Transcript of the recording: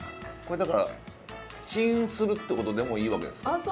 これだからチンするってことでもいいわけですか？